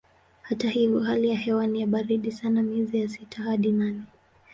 Hata hivyo hali ya hewa ni ya baridi sana miezi ya sita hadi nane.